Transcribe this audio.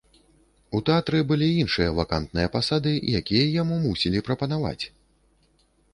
У тэатры былі іншыя вакантныя пасады, якія яму мусілі прапанаваць.